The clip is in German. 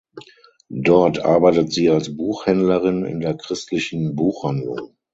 Dort arbeitet sie als Buchhändlerin in der christlichen Buchhandlung.